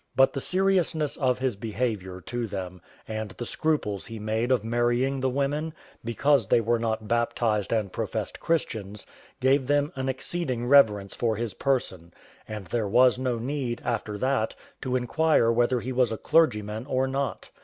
But the seriousness of his behaviour to them, and the scruples he made of marrying the women, because they were not baptized and professed Christians, gave them an exceeding reverence for his person; and there was no need, after that, to inquire whether he was a clergyman or not.